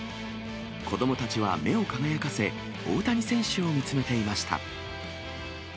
子どもたちは目を輝かせ、大谷選手を見つめていました。